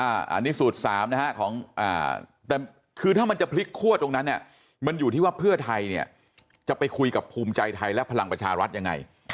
อันนี้สูตร๓นะฮะของแต่คือถ้ามันจะพลิกคั่วตรงนั้นมันอยู่ที่ว่าเพื่อไทยเนี่ยจะไปคุยกับภูมิใจไทยและพลังประชารัฐยังไง